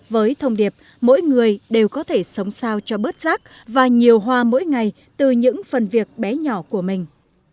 với thông điệp mỗi người đều có thể sống sao cho bớt rác và nhiều hoa mỗi ngày từ những phần việc bé nhỏ của mình